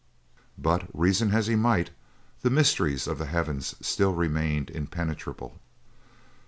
But, reason as he might, the mysteries of the heavens still remained impenetrable.